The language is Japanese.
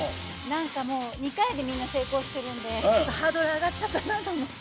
なんかもう、２回でみんな成功してるんでちょっとハードルが上がっちゃったなって思って。